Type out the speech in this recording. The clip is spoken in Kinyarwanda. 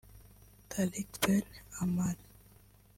Tarek Ben Ammar